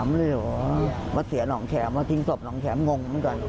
เมื่อเสียน้องแขมมาดิสพนับน้องแขมมัวง